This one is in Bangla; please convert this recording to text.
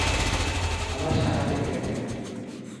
আমার শার্টে গ্রেনেড।